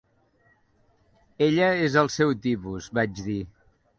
"Ella és el seu tipus", vaig dir.